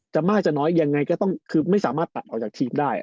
จะมากจะน้อยยังไงก็ไม่สามารถตัดออกจากทีมได้